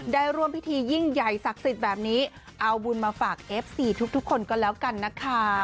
ได้ร่วมพิธียิ่งใหญ่ศักดิ์สิทธิ์แบบนี้เอาบุญมาฝากเอฟซีทุกคนก็แล้วกันนะคะ